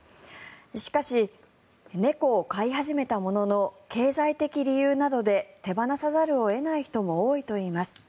しかし、猫を飼い始めたものの経済的理由などで手放さざるを得ない人も多いといいます。